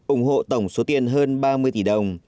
ủng hộ tổng số tiền hơn ba mươi tỷ đồng